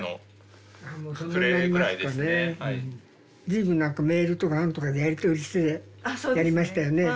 随分何かメールとか何とかでやり取りしてやりましたよね。